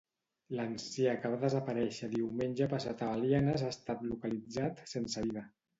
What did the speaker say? L'ancià que va desaparèixer diumenge passat a Belianes ha estat localitzat sense vida.